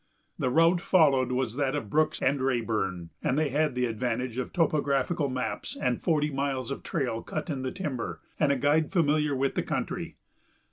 The route followed was that of Brooks and Raeburn, and they had the advantage of topographical maps and forty miles of trail cut in the timber and a guide familiar with the country.